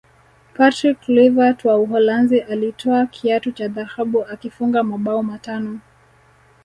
patrick kluivert wa uholanzi alitwaa kiatu cha dhahabu akifunga mabao matano